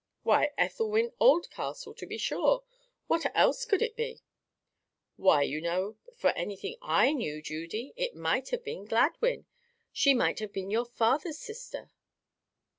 "Why, Ethelwyn Oldcastle, to be sure. What else could it be?" "Why, you know, for anything I knew, Judy, it might have been Gladwyn. She might have been your father's sister."